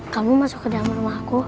kamu masuk ke dalam rumah aku